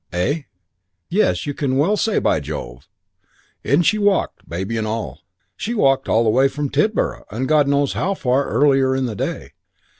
Eh? Yes, you can well say 'By Jove.' In she walked, baby and all. She'd walked all the way from Tidborough, and God knows how far earlier in the day.